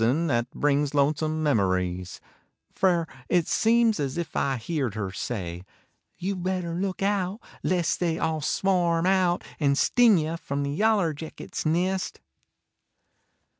in At brings lonesome memories, Fer it seems as if I heerd her say " You better look out, lest They all swarm out and sting yeh From the yaller jackets nest."